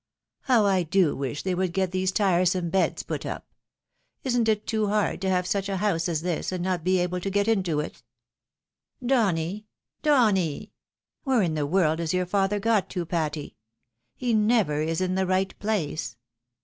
" How I do wish they would get these tiresome beds 254 THE WIDOW MAKEIBD. put up ! Isn't it too hard to have such a house as this, and not be able to get into it ?— Donny ! Donny 1 Where in the world is your father got to, Patty ? He iiever is in the right place.